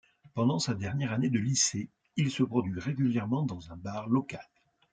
Pendant sa dernière année de lycée il se produit régulièrement dans un bar local.